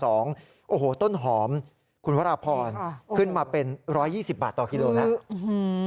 โอ้โหต้นหอมคุณวราพรขึ้นมาเป็น๑๒๐บาทต่อกิโลแล้ว